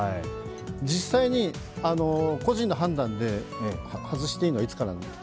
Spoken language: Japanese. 実際に個人の判断で外していいのはいつからなんですか？